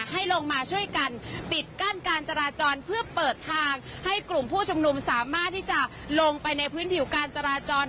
ให้ลงมาช่วยกันปิดกั้นการจราจรเพื่อเปิดทางให้กลุ่มผู้ชุมนุมสามารถที่จะลงไปในพื้นผิวการจราจร